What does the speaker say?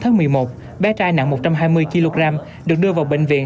ngày bốn tháng một mươi một bé trai nặng một trăm hai mươi kg được đưa vào bệnh viện